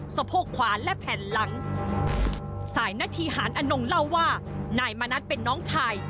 สะโพกขวาและแผ่นหลังสายนาทีหารอนงเล่าว่านายมณัฐเป็นน้องชาย